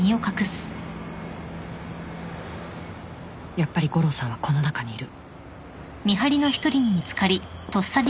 やっぱり悟郎さんはこの中にいる